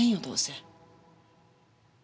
どうせ。